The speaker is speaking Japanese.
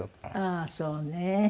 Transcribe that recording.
ああそうね。